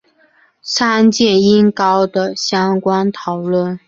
参见音高的相关讨论。